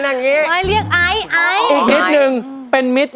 ขนาดอายนะเนี่ยโอ้โหไม่น่าอายเลยนะอย่างงี้